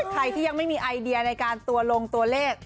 ใครที่ยังไม่มีไอเดียในการตัวลงตัวเลข